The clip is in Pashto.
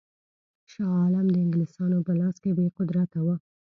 شاه عالم د انګلیسیانو په لاس کې بې قدرته وو.